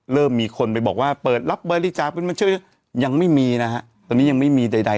เริ่มมีคนไปบอกว่าเปิดรับบริจาคเป็นบัญชียังไม่มีนะฮะตอนนี้ยังไม่มีใด